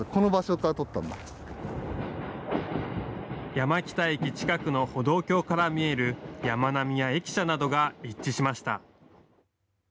山北駅近くの歩道橋から見える山並みや駅舎などが一致しました。